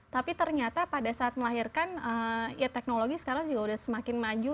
tapi ternyata pada saat melahirkan ya teknologi sekarang juga udah semakin maju